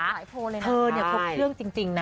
เธอพบเครื่องจริงนะ